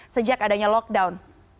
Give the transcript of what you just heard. sejak adanya lockdown